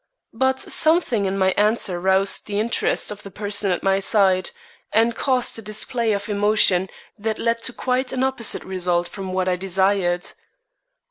But something in my answer roused the interest of the person at my side, and caused a display of emotion that led to quite an opposite result from what I desired.